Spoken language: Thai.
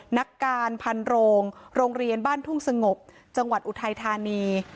นักการพันโรงโรงเรียนบ้านทุ่งสงบจังหวัดอุทัยธานี